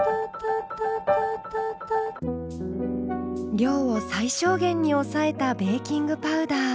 量を最小限に抑えたベーキングパウダー。